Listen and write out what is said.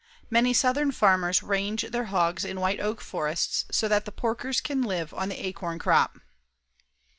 Many southern farmers range their hogs in white oak forests so that the porkers can live on the acorn crop.